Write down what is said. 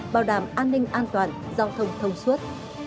bảo đảm an ninh an toàn giao thông thông suốt